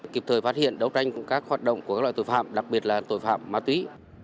kịp thời phát hiện đấu tranh các hoạt động của các loại tội phạm đặc biệt là tội phạm ma túy